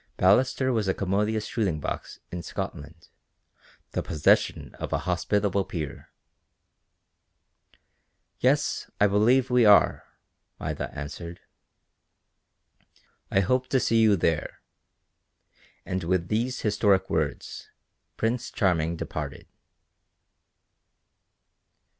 Ballaster was a commodious shooting box in Scotland, the possession of an hospitable peer. "Yes, I believe we are," Maida answered. "I hope to see you there," and with these historic words, Prince Charming departed.